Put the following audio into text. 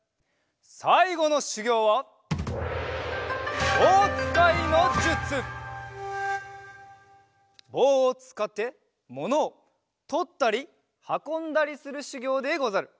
さいごのしゅぎょうはぼうをつかってものをとったりはこんだりするしゅぎょうでござる。